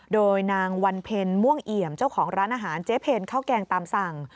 โดยนางวันเพ็ญม่วงเอี่ยมเจ้าของร้านอาหารเจ๊เพนข้าวแกงตามสั่ง